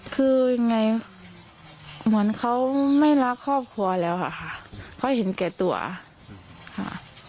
คือยังไงเหมือนเขาไม่รักครอบครัวแล้วค่ะเขาเห็นแก่ตัวค่ะ